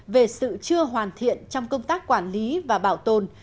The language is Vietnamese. về sự chưa hoàn thiện trong công tác quản lý và bảo tồn